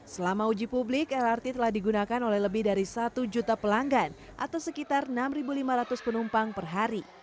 selama uji publik lrt telah digunakan oleh lebih dari satu juta pelanggan atau sekitar enam lima ratus penumpang per hari